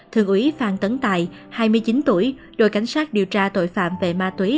thượng úy phan tấn tài hai mươi chín tuổi đội cảnh sát điều tra tội phạm về ma túy